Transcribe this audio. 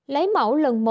lấy mẫu lần một